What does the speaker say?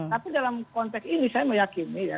tapi dalam konteks ini saya meyakini ya